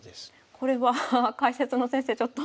これは解説の先生ちょっと。